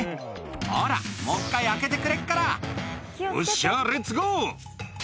ほらもう１回開けてくれっから「よっしゃレッツゴー」